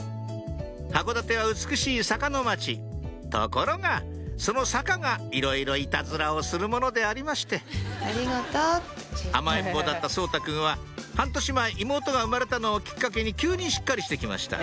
函館は美しい坂の町ところがその坂がいろいろいたずらをするものでありまして甘えん坊だった颯太くんは半年前妹が生まれたのをきっかけに急にしっかりして来ました